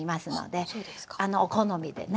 お好みでね。